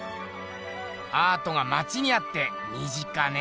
アートがまちにあって身近ねぇ。